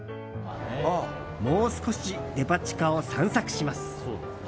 もう少しデパ地下を散策します。